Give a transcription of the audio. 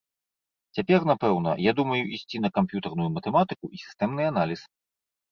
Цяпер, напэўна, я думаю ісці на камп'ютарную матэматыку і сістэмны аналіз.